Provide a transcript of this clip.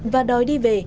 và đòi đi về